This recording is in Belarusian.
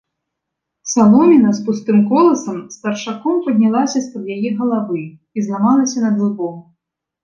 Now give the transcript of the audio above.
Саломіна з пустым коласам старчаком паднялася з-пад яе галавы і зламалася над ілбом.